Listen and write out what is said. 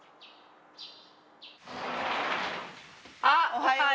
あおはよう。